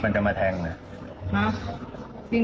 มันจะมาแทง